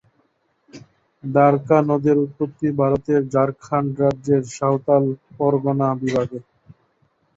দ্বারকা নদের উৎপত্তি ভারতের ঝাড়খণ্ড রাজ্যের সাঁওতাল পরগনা বিভাগে।